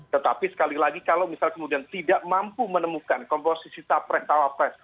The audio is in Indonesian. tetapi sekali lagi kalau misal kemudian tidak mampu menemukan komposisi tapres tawapres